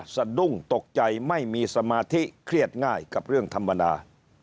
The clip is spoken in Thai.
สะดุ้งตกใจไม่มีสมาธิเครียดง่ายกับเรื่องธรรมดา